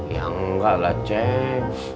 ya nggak lah ceng